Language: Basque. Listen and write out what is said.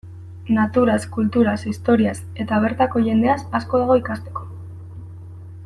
Naturaz, kulturaz, historiaz, eta bertako jendeaz asko dago ikasteko.